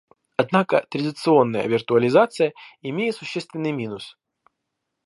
Однако традиционная виртуализация имеет существенный минус